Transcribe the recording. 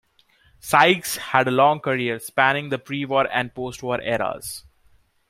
Sykes had a long career, spanning the pre-war and postwar eras.